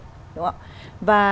đúng không ạ